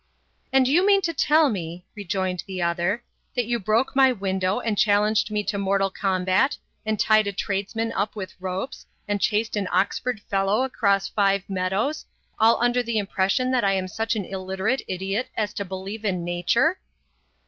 "And you mean to tell me," rejoined the other, "that you broke my window, and challenged me to mortal combat, and tied a tradesman up with ropes, and chased an Oxford Fellow across five meadows all under the impression that I am such an illiterate idiot as to believe in Nature!"